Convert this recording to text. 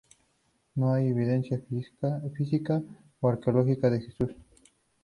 No hay evidencia física o arqueológica de Jesús.